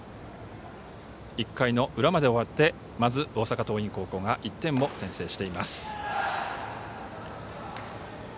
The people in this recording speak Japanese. １回の裏まで終わってまず大阪桐蔭高校が１点を先制しています。